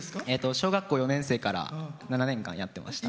小学校４年生から７年間、やってました。